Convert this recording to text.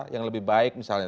yang lebih baik misalnya